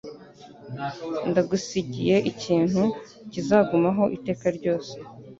Ndagusigiye ikintu kizagumaho iteka ryose